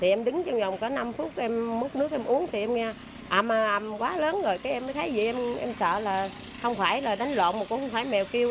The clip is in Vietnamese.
em đứng trong vòng có năm phút em mất nước em uống thì em nghe à mà quá lớn rồi em thấy gì em sợ là không phải là đánh lộn mà cũng không phải mèo kiêu